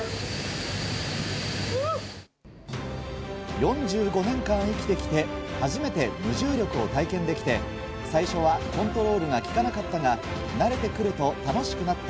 ４５年間生きてきて初めて無重力を体験できて最初はコントロールが利かなかったが慣れてくると楽しくなった。